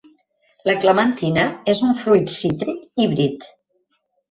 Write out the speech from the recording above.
La clementina és un fruit cítric híbrid